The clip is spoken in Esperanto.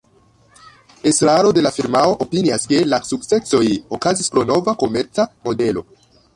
Estraro de la firmao opinias, ke la sukcesoj okazis pro nova komerca modelo.